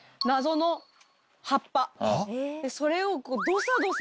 それを。